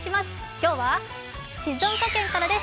今日は静岡県からです。